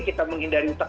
kita menghindari utang